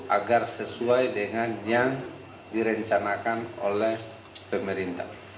agar sesuai dengan yang direncanakan oleh pemerintah